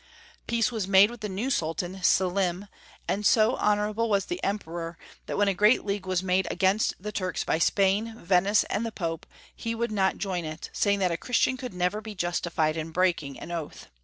Peace was made with the new Sultan, Selim, and so honorable was the Emperor, that when a gi'eat league was made against the Turks by Spain, Venice, and the Pope, he would not join it, saying that a Christian coidd never be justified in breaking an oath.